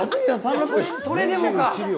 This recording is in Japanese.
それでもか。